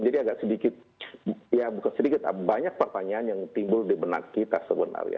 jadi agak sedikit ya bukan sedikit banyak pertanyaan yang timbul di benak kita sebenarnya